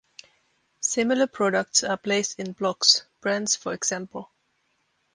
Similar products are placed in blocks - brands, for example.